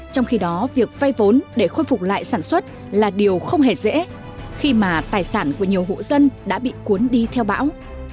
trong khi đó việc phai vốn để khôi phục lại sản xuất là điều không hề dễ khi mà tài sản của nhiều hộ dân đã bị cuốn đi theo bão